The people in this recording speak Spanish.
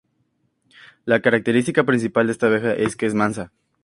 La característica principal de esta abeja es que es mansa.